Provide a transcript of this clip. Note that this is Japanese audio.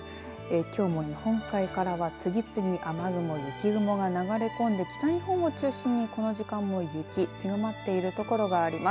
きょうも日本海からは次々雨雲、雪雲が流れ込んで北日本を中心にこの時間も雪、強まっている所があります。